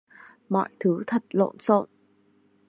mọi thứ thật lộn xộn